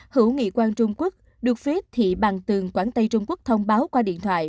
hữu nghị quang trung quốc được phía thị bàn tường quảng tây trung quốc thông báo qua điện thoại